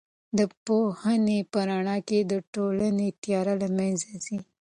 د پوهنې په رڼا کې د ټولنې تیاره له منځه ځي.